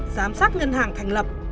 giám sát ngân hàng nhà nước